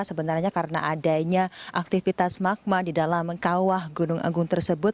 sebenarnya karena adanya aktivitas magma di dalam kawah gunung agung tersebut